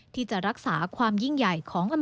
ที่จะรักษาความยิ่งใหญ่ของอเมริกา